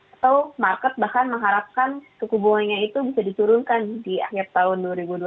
atau market bahkan mengharapkan suku bunganya itu bisa diturunkan di akhir tahun dua ribu dua puluh